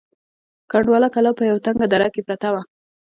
کنډواله کلا په یوه تنگه دره کې پرته وه.